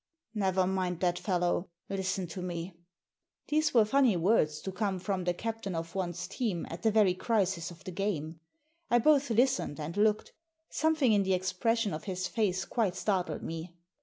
" Never mind that fellow. Listen to me." These were funny words to come from the captain of one's team at the very crisis of the game. I both listened and looked. Something in the expression of his face quite startled me.